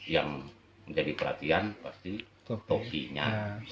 yang jadi perhatian pasti topinya